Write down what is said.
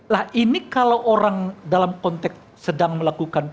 lah ini kalau orang dalam konteks sedang menanggung itu ya